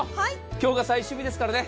今日が最終日ですからね。